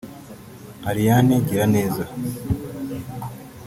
Ariane Giraneza